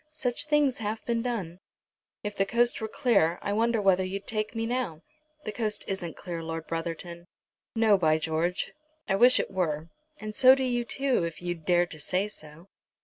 Such things have been done." "If the coast were clear I wonder whether you'd take me now." "The coast isn't clear, Lord Brotherton." "No, by George. I wish it were, and so do you too, if you'd dare to say so."